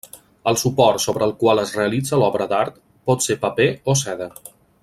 El suport sobre el qual es realitza l'obra d'art pot ser paper o seda.